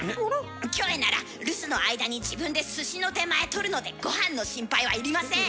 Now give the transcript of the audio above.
キョエなら留守の間に自分ですしの出前取るのでごはんの心配は要りません。